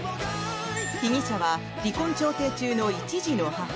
被疑者は離婚調停中の１児の母。